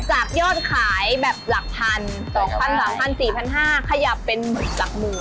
จากยอดขายแบบหลักพันต่อ๓๔๕๐๐บาทขยับเป็นหลักหมู